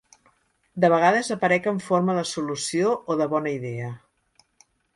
De vegades aparec en forma de solució o de bona idea.